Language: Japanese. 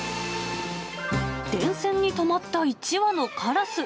電線に止まった一羽のカラス。